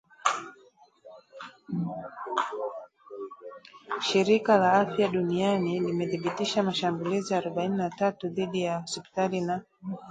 shirika la afya duniani limethibitisha mashambulizi arobaini na tatu dhidi ya hospitali na